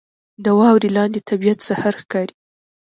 • د واورې لاندې طبیعت سحر ښکاري.